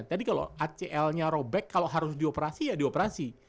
tadi kalau acl nya robek kalau harus dioperasi ya dioperasi